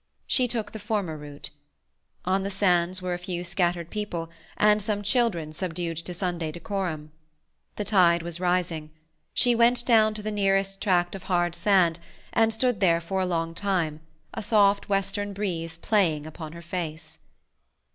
She took the former route. On the sands were a few scattered people, and some children subdued to Sunday decorum. The tide was rising. She went down to the nearest tract of hard sand, and stood there for a long time, a soft western breeze playing upon her face.